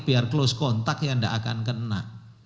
biar close kontak ya enggak akan kena